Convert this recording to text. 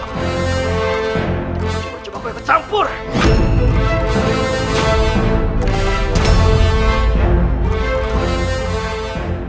nanda prabu cepat pergi dari sini